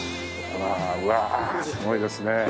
うわすごいですね。